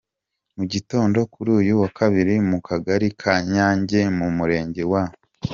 Mu gitondo kuri uyu wa kabiri, mu kagari ka Nyange mu murenge wa.